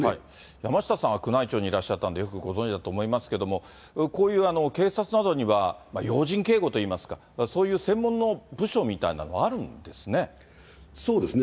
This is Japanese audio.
山下さんは宮内庁にいらっしゃったんで、よくご存じだと思いますけれども、こういう警察などには、要人警護といいますか、そういう専門の部署みたいなのあるんですね。